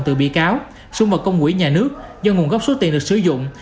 từ biệt cáo xuân mật công quỹ nhà nước do nguồn gốc số tiền được sử dụng